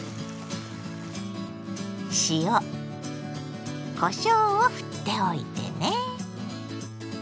塩こしょうをふっておいてね。